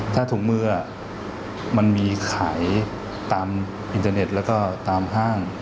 ถ้าถุงมือมันมีขายตามอินเทอร์เน็ตแล้วก็ตามห้าง